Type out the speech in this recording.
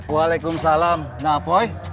waalaikumsalam na poik